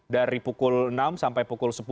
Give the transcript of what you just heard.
dari pukul enam sampai pukul sepuluh